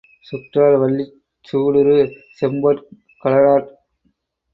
சுற்றார் வல்லிற் சூடுறு செம்பொற் கழலாற்குக்